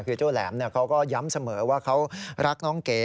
คือเจ้าแหลมเขาก็ย้ำเสมอว่าเขารักน้องเก๋